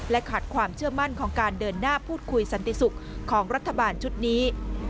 ขาดความเชื่อมั่นของการเดินหน้าพูดคุยสันติสุขของรัฐบาลชุดนี้